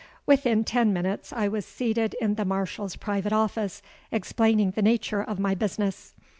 "Within ten minutes I was seated in the Marshal's private office, explaining the nature of my business.